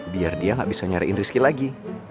biar dia gak bisa nyariin rizky lagi